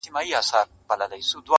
ډیري به واورو له منبره ستا د حورو کیسې-